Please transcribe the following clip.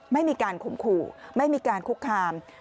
ไม่มีการข่มขู่ไม่มีการคุกคาม